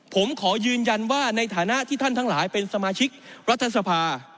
ผมขอยืนยันว่าในฐานะที่ท่านทั้งหลายเป็นสมาชิกรัฐสภา